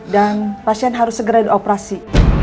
dan pasien harus segera dioperasi